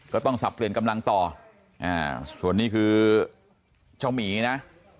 สับเปลี่ยนกำลังต่อส่วนนี้คือเจ้าหมีนะ